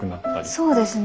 そうですね